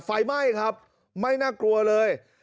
ไฟไหม้ครับไม่น่ากลัวเลย